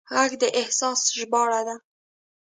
غږ د احساس ژباړه ده